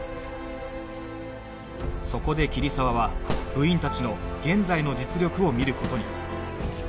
そこで桐沢は部員たちの現在の実力を見る事に